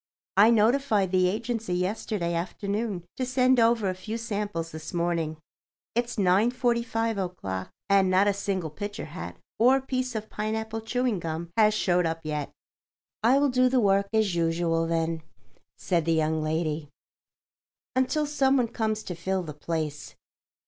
I notified the agency yesterday afternoon to send over a few samples this morning. It's 9.45 o'clock, and not a single picture hat or piece of pineapple chewing gum has showed up yet." "I will do the work as usual, then," said the young lady, "until some one comes to fill the place."